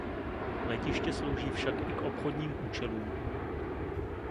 Letiště slouží však i k obchodním účelům.